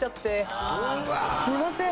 すいません。